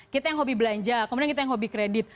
kita yang hobi belanja kemudian kita yang hobi kredit